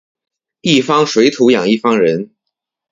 一方水土养一方人